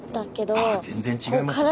ああ全然違いますよね。